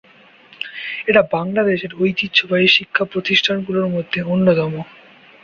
এটি বাংলাদেশের ঐতিহ্যবাহী শিক্ষা প্রতিষ্ঠানগুলোর মধ্যে অন্যতম।